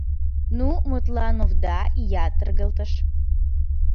— Ну... мутлан, овда, ия, таргылтыш.